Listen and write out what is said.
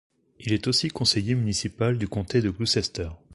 Il est aussi conseiller municipal du comté de Gloucester.